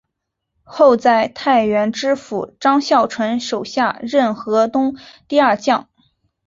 后在太原知府张孝纯手下任河东第二将。